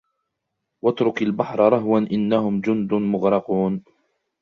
واترك البحر رهوا إنهم جند مغرقون